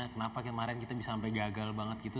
kenapa kemarin kita bisa sampai gagal banget gitu